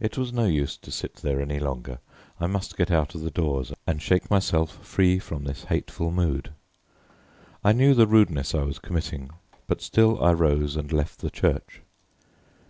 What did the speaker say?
It was no use to sit there any longer: I must get out of doors and shake myself free from this hateful mood. I knew the rudeness I was committing, but still I rose and left the church.